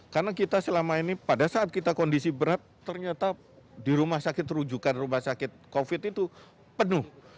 karena kita selama ini pada saat kita kondisi berat ternyata di rumah sakit terujukan rumah sakit covid itu penuh